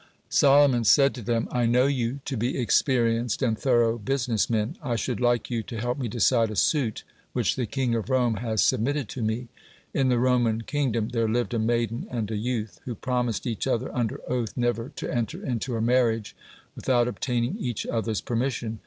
Solomon said to them: "I know you to be experienced and thorough business men. I should like you to help me decide a suit which the king of Rome has submitted to me. In the Roman kingdom there lived a maiden and a youth, who promised each other under oath never to enter into a marriage without obtaining each other's permission.